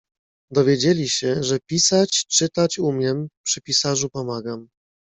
"Dowiedzieli się, że pisać, czytać umiem, przy pisarzu pomagam."